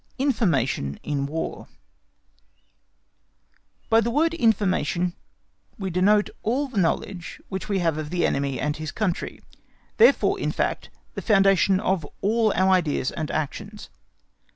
Information in War By the word "information" we denote all the knowledge which we have of the enemy and his country; therefore, in fact, the foundation of all our ideas and actions.